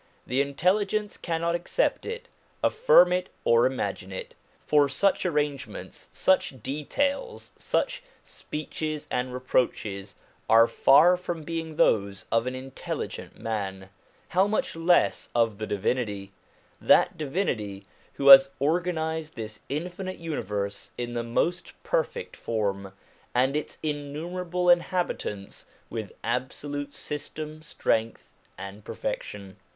The intelligence cannot accept it, affirm it, or imagine it ; for such arrangements, such details, such speeches and reproaches are far from being those of an intelligent man, how much less of the Divinity that Divinity who has organised this infinite universe in the most perfect form, and its innumerable inhabi tants with absolute system, strength, and perfection.